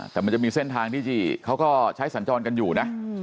แต่มันจะมีเส้นทางที่เขาก็ใช้สัญจรกันอยู่นะ